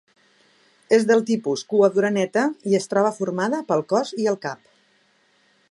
És del tipus cua d'oreneta i es troba formada pel cos i el cap.